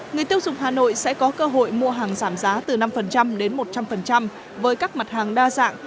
người tiêu dùng hà nội sẽ có cơ hội mua hàng giảm giá từ năm đến một trăm linh với các mặt hàng đa dạng